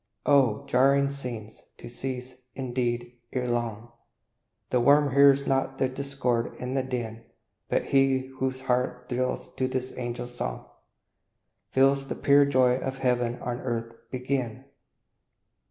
Oh, jarring scenes! to cease, indeed, ere long; The worm hears not the discord and the din; But he whose heart thrills to this angel song, Feels the pure joy of heaven on earth begin!